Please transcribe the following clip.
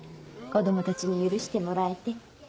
子供たちに許してもらえて。